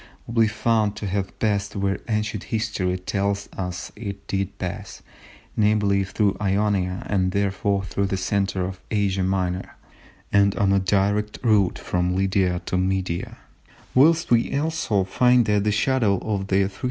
C. will be found to have passed where ancient history tells us it did pass—namely, through Ionia, and therefore through the centre of Asia Minor, and on the direct route from Lydia to Media; whilst we also find that the shadow of the 310 B.